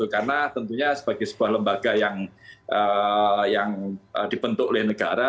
karena tentunya sebagai sebuah lembaga yang dipentuk oleh negara